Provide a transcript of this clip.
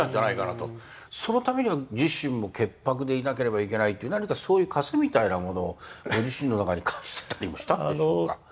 そのためには自身も潔白でいなければいけないっていう何かそういうかせみたいなものをご自身の中に感じてたりもしたんでしょうか。